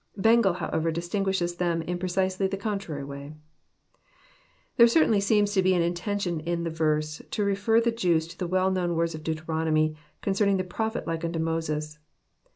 "— Bengel, however, distinguishes them In pre cisely the contrary way ! There certainly seems to be an Intention in the verse to refer the Jews to the well known words of Deuteronomy, concerning the Prophet like unto Moses.